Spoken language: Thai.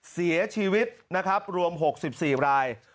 เสียชีวิตนะครับรวม๖๔ราย